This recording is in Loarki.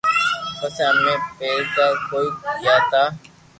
پسي امي ڀيراڪوئي گيا تا